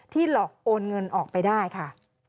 หลอกโอนเงินออกไปได้ค่ะ